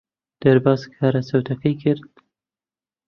دەرباز کارە چەوتەکەی کرد.